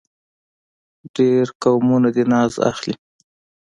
ډېر قومونه دې ناز اخلي.